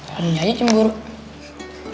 hanya aja cemburu